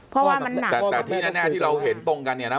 เพราะว่าแต่ที่แน่ที่เราเห็นตรงกันเนี่ยนะ